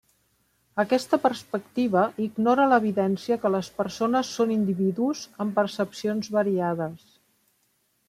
Aquesta perspectiva ignora l'evidència que les persones són individus amb percepcions variades.